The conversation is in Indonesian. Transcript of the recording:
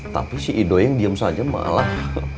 tapi si ido yang diem saja malah